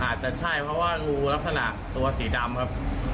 อาจจะใช่เพราะว่างูลักษณะตัวสีดำครับ